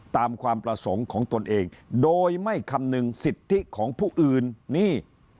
ความประสงค์ของตนเองโดยไม่คำนึงสิทธิของผู้อื่นนี่